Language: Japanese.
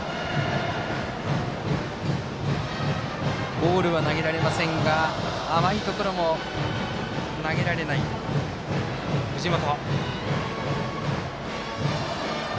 ボールは投げられませんが甘いところも投げられない、藤本。